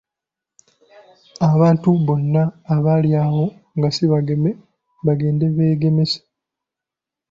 Abantu bonna abali wano nga si bageme bagende beegemese.